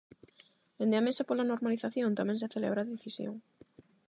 Dende a mesa pola normalización, tamén se celebra a decisión.